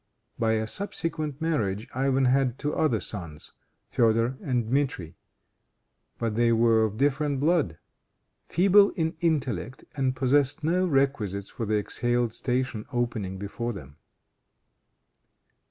By a subsequent marriage Ivan had two other sons, Feodor and Dmitri. But they were of different blood; feeble in intellect and possessed no requisites for the exalted station opening before them.